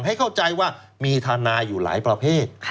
ให้เข้าใจว่ามีทนายอยู่หลายประเภท